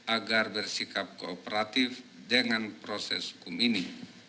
agar bersikap kooperatif dengan proses hukum ini